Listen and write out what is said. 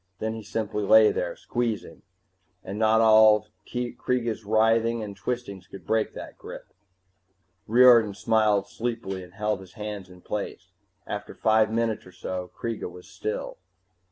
Then he simply lay there, squeezing, and not all Kreega's writhing and twistings could break that grip. Riordan smiled sleepily and held his hands in place. After five minutes or so Kreega was still.